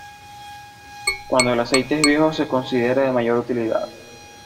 Cuando el aceite es viejo se considera de mayor utilidad.